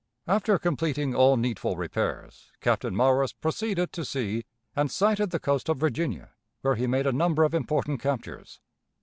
After completing all needful repairs, Captain Morris proceeded to sea and sighted the coast of Virginia, where he made a number of important captures.